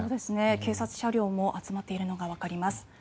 警察車両も集まっているのがわかります。